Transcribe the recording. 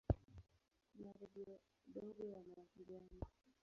Kuna redio ndogo ya mawasiliano.